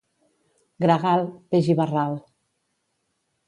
Gregal, peix i barral.